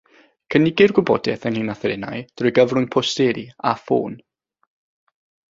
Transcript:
Cynigir gwybodaeth ynglŷn â threnau drwy gyfrwng posteri a ffôn.